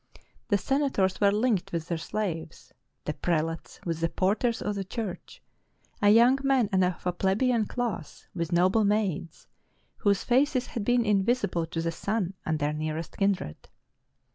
The sen ators were linked with their slaves ; the prelates with the porters of the church; and young men of a plebeian class with noble maids, whose faces had been invisible to the sun and their nearest kindred.